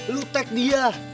lu tag dia